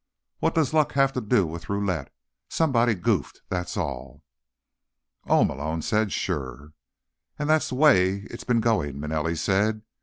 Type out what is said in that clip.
"What does luck have to do with roulette? Somebody goofed, that's all." "Oh," Malone said. "Sure." "And that's the way it's been going," Manelli said.